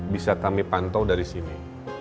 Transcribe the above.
bisa kami pantau dari sini